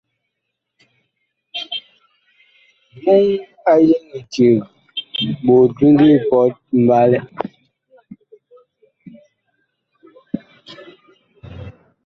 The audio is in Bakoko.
Muŋ a yeŋ eceg ɓot bi ngi pɔt mɓalɛ.